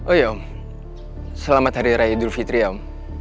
oh iya om selamat hari raya idul fitri om